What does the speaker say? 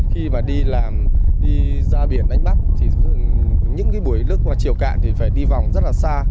khi mà đi làm đi ra biển đánh bắt thì những cái buổi lướt qua trường cản thì phải đi vòng rất là xa